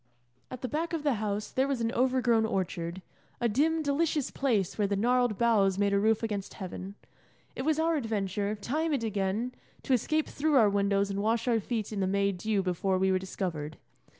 At the back of the house there was an overgrown orchard, a dim, delicious place where the gnarled boughs made a roof against heaven. It was our adventure, time and again, to escape through our windows and wash our feet in the May dew before we were discovered.